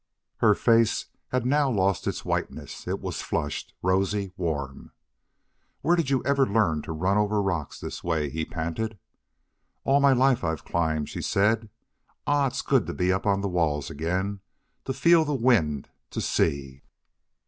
Her face had now lost its whiteness; it was flushed, rosy, warm. "Where did you ever learn to run over rocks this way?" he panted. "All my life I've climbed," she said. "Ah! it's so good to be up on the walls again to feel the wind to see!"